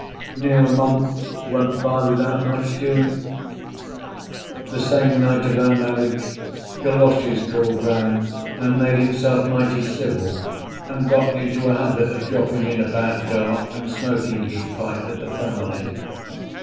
Near a month went by without much doing. The same night of our marriage Galoshes called round, and made himself mighty civil, and got into a habit of dropping in about dark and smoking his pipe with the family.